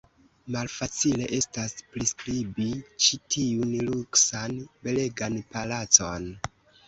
Malfacile estas priskribi ĉi tiun luksan, belegan palacon.